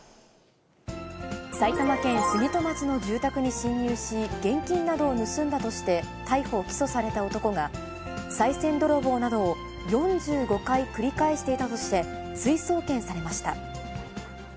埼玉県杉戸町の住宅に侵入し、現金などを盗んだとして逮捕・起訴された男が、さい銭泥棒などを４５回繰り返していたとして追送検されました。